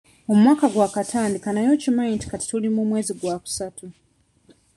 Omwaka gwakatandika naye okimanyi nti kati tuli mu mwezi gwakusatu?